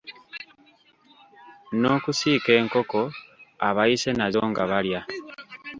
N’okusiika enkoko abayise nazo nga balya.